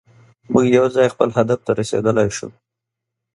موږ یوځای خپل هدف ته رسیدلی شو.